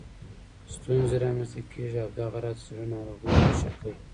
ستونزې رامنځته کېږي او دغه راز د زړه ناروغیو او شکرې